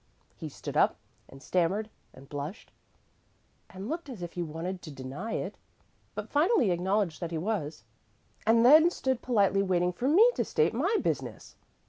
He stood up and stammered and blushed and looked as if he wanted to deny it, but finally acknowledged that he was, and then stood politely waiting for me to state my business!